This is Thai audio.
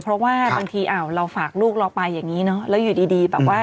เพราะว่าบางทีเราฝากลูกเราไปอย่างนี้เนอะแล้วอยู่ดีแบบว่า